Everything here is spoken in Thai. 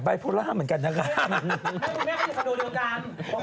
แม่กรูแม่ก็อยู่ข้างโดโลงกัน